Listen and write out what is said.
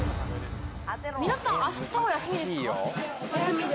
皆さん、あしたは休みですか？